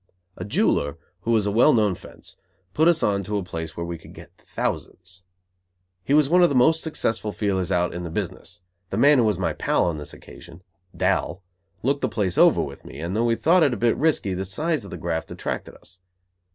A jeweler, who was a well known "fence", put us on to a place where we could get thousands. He was one of the most successful "feelers out" in the business. The man who was my pal on this occasion, Dal, looked the place over with me and though we thought it a bit risky, the size of the graft attracted us.